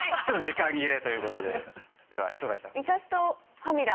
ちょっと時間切れということででは磯貝さん。